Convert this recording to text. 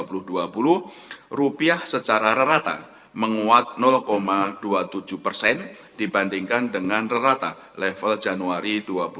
pada sembilan belas februari dua ribu dua puluh rupiah secara rata menguat dua puluh tujuh dibandingkan dengan rata level januari dua ribu dua puluh